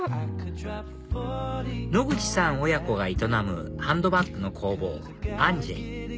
野口さん親子が営むハンドバッグの工房ＡＮＪ